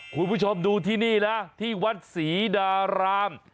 คุณผู้ชมดูที่นี่นะที่วัดศรีดาราม